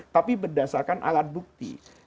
tapi berdasarkan alat bukti